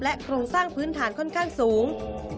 โครงสร้างพื้นฐานค่อนข้างสูง